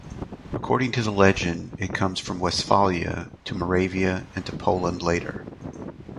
According to the legend it comes from Westphalia to Moravia and to Poland later.